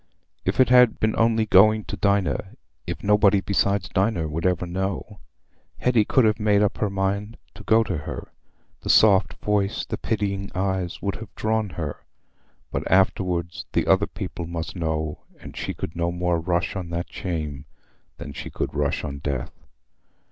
If it had been only going to Dinah—if nobody besides Dinah would ever know—Hetty could have made up her mind to go to her. The soft voice, the pitying eyes, would have drawn her. But afterwards the other people must know, and she could no more rush on that shame than she could rush on death.